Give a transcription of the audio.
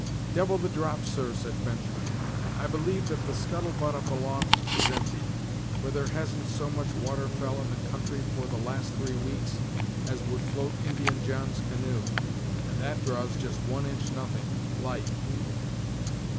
"Devil the drop, sir," said Benjamin; "I believe that the scuttle butt up aloft is emptied, for there hasn't so much water fell in the country for the last three weeks as would float Indian John's canoe, and that draws just one inch nothing, light."